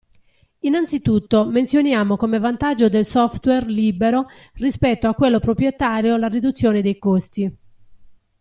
Innanzitutto menzioniamo come vantaggio del software libero rispetto a quello proprietario la riduzione dei costi.